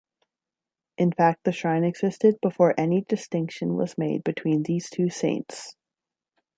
In fact the shrine existed before any distinction was made between these two saints.